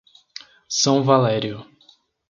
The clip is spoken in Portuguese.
São Valério